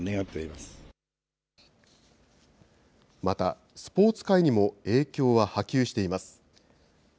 また、スポーツ界にも影響は波及しています。